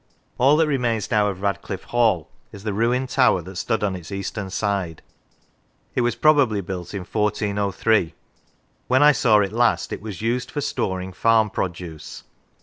All that remains now of Radcliffe Hall is the ruined tower that stood on its eastern side; it was probably built in 1403. When I saw it last it was used for storing farm produce.